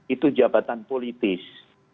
itu jabatan politis